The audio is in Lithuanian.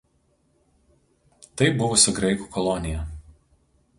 Tai buvusi graikų kolonija.